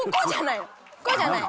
こうじゃない。